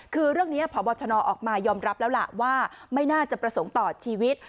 คือเรื่องนี้พบชนออกมายอมรับแล้วล่ะว่าไม่น่าจะประสงค์ต่อชีวิต